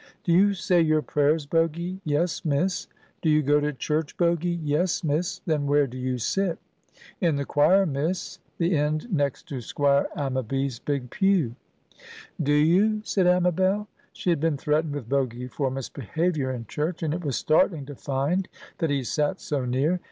"Do you say your prayers, Bogy?" "Yes, Miss." "Do you go to church, Bogy?" "Yes, Miss." "Then where do you sit?" "In the choir, Miss; the end next to Squire Ammaby's big pew." "Do you?" said Amabel. She had been threatened with Bogy for misbehavior in church, and it was startling to find that he sat so near.